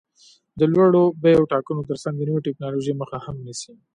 د لوړو بیو ټاکلو ترڅنګ د نوې ټکنالوژۍ مخه هم نیسي.